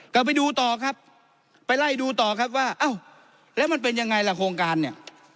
กลับไปดูต่อครับไปไล่ดูต่อครับว่าอ้าวแล้วมันเป็นยังไงล่ะโครงการเนี่ย